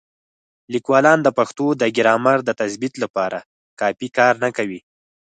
لیکوالان د پښتو د ګرامر د تثبیت لپاره کافي کار نه کوي.